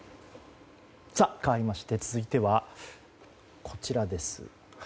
かわりまして、続いてはこちらです。